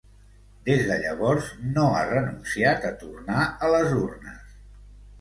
Des de llavors, no ha renunciat a tornar a les urnes.